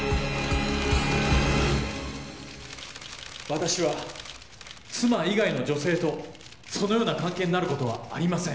私は妻以外の女性とそのような関係になることはありません。